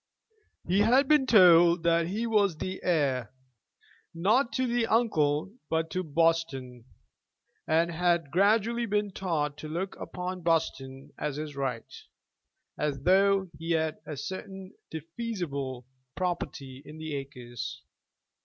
He had been told that he was the heir, not to the uncle, but to Buston, and had gradually been taught to look upon Buston as his right, as though he had a certain defeasible property in the acres.